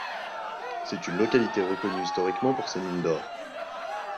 C'est une localité reconnue historiquement pour ses mines d'or.